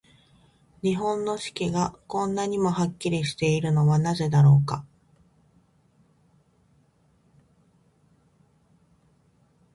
日本の四季が、こんなにもはっきりしているのはなぜだろうか。